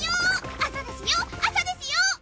朝ですよ朝ですよ！